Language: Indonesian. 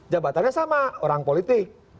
jabatannya sama orang politik